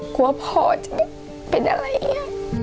พ่อจะเป็นอะไรอย่างนี้